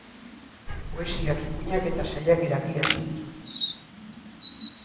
Poesiak, ipuinak eta saiakerak idatzi ditu.